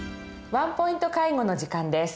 「ワンポイント介護」の時間です。